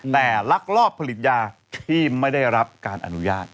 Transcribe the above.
แต่ลักลอบผลิตยาที่ไม่ได้รับการอนุญาต